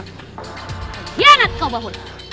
kejianat kau baulah